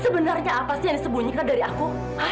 sebenarnya apa sih yang disembunyikan dari aku